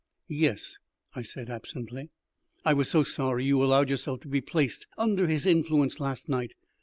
"Yes," I said absently. "I was so sorry you allowed yourself to be placed under his influence last night.